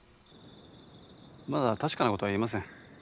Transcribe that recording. まだ確かな事は言えません。